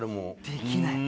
できない。